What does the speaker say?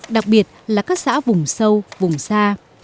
đặc biệt là các xã vùng sâu vùng xa